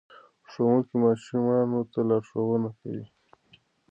ښوونکی ماشومانو ته لارښوونه کوي.